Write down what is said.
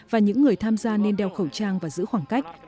và những người tham gia nên đeo khẩu trang vào giáng sinh sắp tới